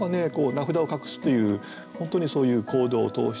「名札を隠す」という本当にそういう行動を通してですね